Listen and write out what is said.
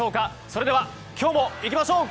それでは今日もいきましょう。